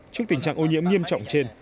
trước tình trạng ô nhiễm nghiêm trọng trên